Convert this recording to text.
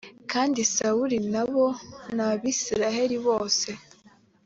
kandi sawuli na bo n abisirayeli bose